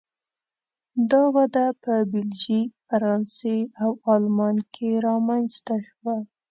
دا وده په بلژیک، فرانسې او آلمان کې رامنځته شوه.